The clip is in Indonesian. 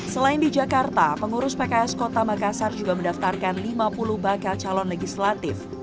selain di jakarta pengurus pks kota makassar juga mendaftarkan lima puluh bakal calon legislatif